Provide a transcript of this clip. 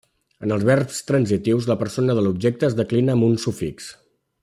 En els verbs transitius la persona de l'objecte es declina amb un sufix.